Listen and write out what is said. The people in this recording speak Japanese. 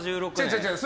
違う、違う。